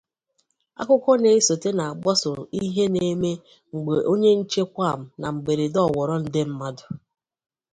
Akụkọ na-esote na-agbaso ihe na-eme mgbe onye nche (Quam) na mberede ọwọrọ nde mmadụ.